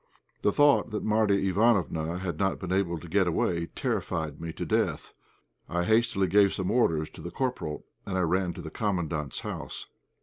The thought that Marya Ivánofna had not been able to get away terrified me to death. I hastily gave some orders to the corporal, and I ran to the Commandant's house.